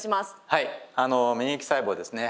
はい免疫細胞ですね。